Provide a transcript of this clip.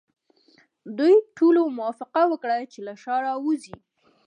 دوی ټولو موافقه وکړه چې له ښاره وځي.